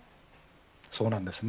そうなんですね。